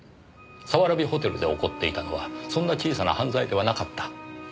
早蕨ホテルで起こっていたのはそんな小さな犯罪ではなかった。